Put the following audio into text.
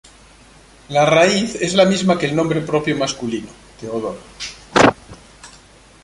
La raíz es la misma que el nombre propio masculino Teodoro.